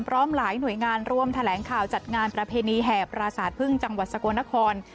พร้อมหลายหน่วยงานรวมแถลงข่าวจัดงานประเพณีแห่ปราสาทพึ่งจังหวัดสกลนคร